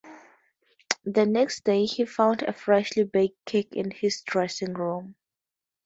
The next day, he found a freshly baked cake in his dressing room.